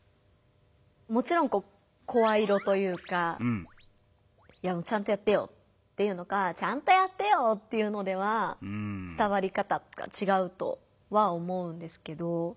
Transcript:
もちろん声色というか「いやちゃんとやってよ」って言うのか「ちゃんとやってよ」って言うのでは伝わり方とかちがうとは思うんですけど。